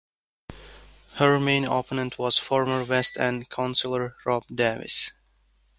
Her main opponent was former west-end councillor Rob Davis.